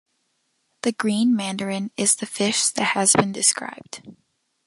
The green mandarin is the fish that has been described.